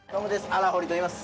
荒堀といいます。